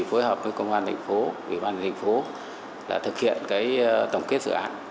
hợp với công an thành phố bộ công an thành phố thực hiện tổng kết dự án